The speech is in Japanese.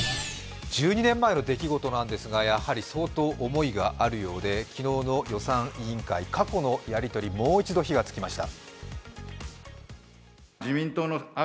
１２年前の出来事なんですが、やはり相当思いがあるようで昨日の予算委員会、過去のやり取りもう一度火がつきました。